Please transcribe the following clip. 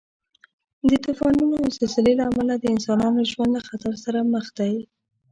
د طوفانو او زلزلې له امله د انسانانو ژوند له خطر سره مخ دی.